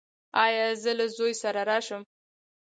ایا زه له زوی سره راشم؟